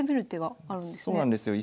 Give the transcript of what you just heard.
そうなんですよ。